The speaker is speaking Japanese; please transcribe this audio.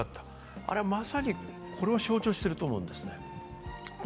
あれはまさに、この違いを象徴していると思うんですね。